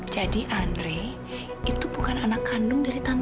jadi andre itu bukan anak kandung dari tante